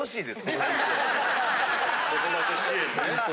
子育て支援にね。